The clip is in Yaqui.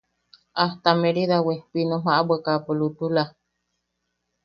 Hasta Meridawi, pinom jaʼawekaʼapo, lutula.